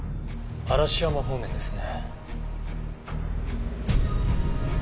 嵐山方面ですね。